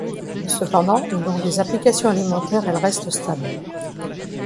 Cependant, dans des applications alimentaires elle reste stable.